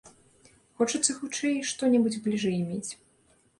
Хочацца хутчэй што-небудзь бліжэй мець.